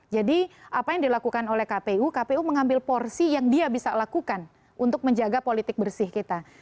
jadi apa yang dilakukan oleh kpu kpu mengambil porsi yang dia bisa lakukan untuk menjaga politik bersih kita